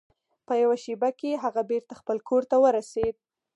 په یوه شیبه کې هغه بیرته خپل کور ته ورسید.